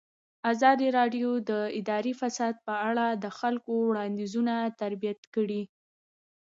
ازادي راډیو د اداري فساد په اړه د خلکو وړاندیزونه ترتیب کړي.